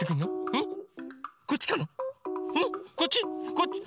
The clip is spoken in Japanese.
こっち？